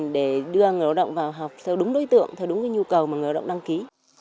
để đưa người lao động vào học theo đúng đối tượng theo đúng nhu cầu mà người lao động đăng ký